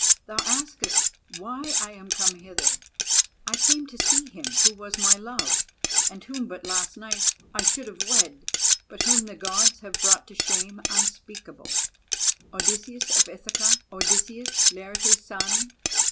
Thou askest why I am come hither. I came to see him who was my love, and whom but last night I should have wed, but whom the Gods have brought to shame unspeakable, Odysseus of Ithaca, Odysseus, Laertes' son.